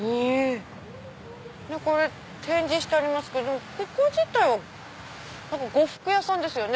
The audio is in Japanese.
これ展示してありますけどここ自体は呉服屋さんですよね。